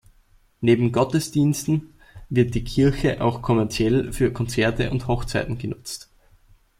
Neben Gottesdiensten wird die Kirche auch kommerziell für Konzerte und Hochzeiten genutzt.